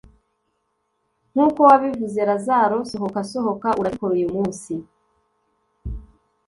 nkuko wabivuze lazaro, sohoka, sohoka urabikora uyu munsi